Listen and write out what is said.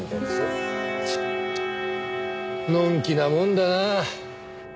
チッのんきなもんだなぁ。